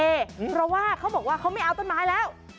เพราะว่าเขาบอกว่าเขาไม่เอาต้นไม้แล้ว